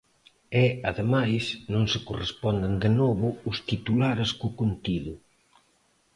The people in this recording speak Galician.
E, ademais, non se corresponden de novo os titulares co contido.